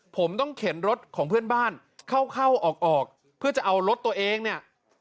ผมต้องเข็นรถของเพื่อนบ้านเข้าเข้าออกออกเพื่อจะเอารถตัวเองเนี่ย